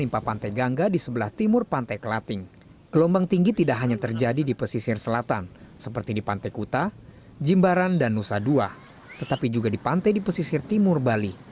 pantai di pantai kuta jimbaran dan nusa dua tetapi juga di pantai di pesisir timur bali